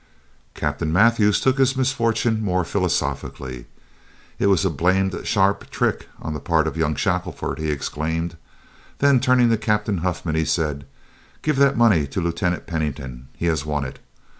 Captain Mathews took his misfortune more philosophically. "It was a blamed sharp trick on the part of young Shackelford!" he exclaimed. Then turning to Captain Huffman, he said: "Give that money to Lieutenant Pennington; he has won it.